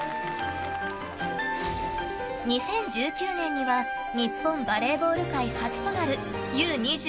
２０１９年には日本バレーボール界初となるＵ２０